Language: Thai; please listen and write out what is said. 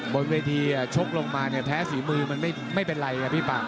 บนวิธีชกลงมาแฟ้สี่มือมันไม่เป็นไรละพี่ผัก